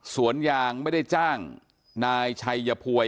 สวนยางไม่ได้จ้างนายชัยพวย